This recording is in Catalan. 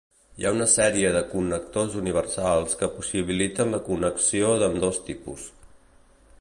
Hi ha una sèrie de connectors universals que possibiliten la connexió d'ambdós tipus.